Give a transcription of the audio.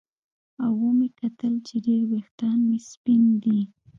او ومې کتل چې ډېر ویښتان مې سپین دي